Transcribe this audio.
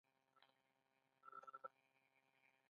ایا زه باید د تیتانوس واکسین وکړم؟